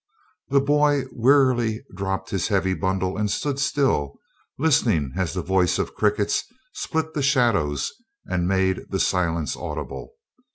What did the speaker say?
The boy wearily dropped his heavy bundle and stood still, listening as the voice of crickets split the shadows and made the silence audible.